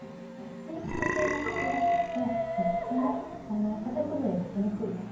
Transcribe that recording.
伸縮性が少なくってとっても型崩れがしにくいです。